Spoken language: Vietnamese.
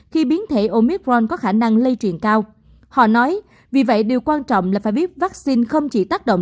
khi biến thể omicron có khả năng lây truyền cao họ nói vì vậy điều quan trọng là phải biết vaccine không chỉ tác động